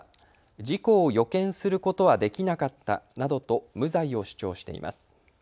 事故を予見することはできなかったなどと無罪を主張しています。